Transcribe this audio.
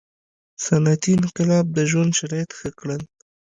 • صنعتي انقلاب د ژوند شرایط ښه کړل.